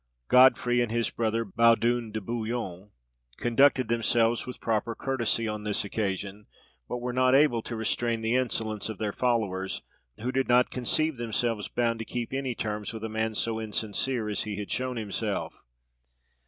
Godfrey and his brother Baudouin de Bouillon conducted themselves with proper courtesy on this occasion, but were not able to restrain the insolence of their followers, who did not conceive themselves bound to keep any terms with a man so insincere as he had shewn himself.